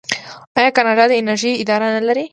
آیا کاناډا د انرژۍ اداره نلري؟